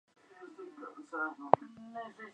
Todos comparten un mismo presidente.